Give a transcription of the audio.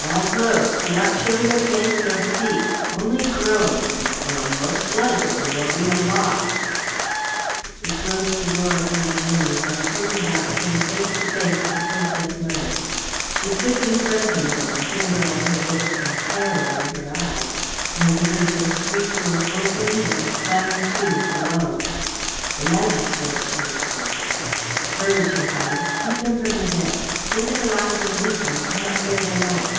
"Lie close! Do not show your face nor speak. Only groan, and groan most delicately, or we are lost." He closed the door upon Jenny, and turning about came face to face with the Princess mother. She stood confronting him, a finger on her lips, and terror in her eyes; and he heard the street door open and clang to below. "The magistrate!" she whispered. "Courage, your Highness. Keep them from the bed! Say that her eyes are weak and cannot bear the light."